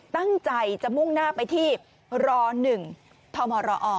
ตั้งใจจะมุ่งหน้าไปที่ร๑ทมรอ